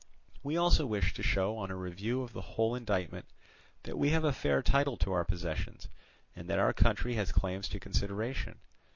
We also wish to show on a review of the whole indictment that we have a fair title to our possessions, and that our country has claims to consideration.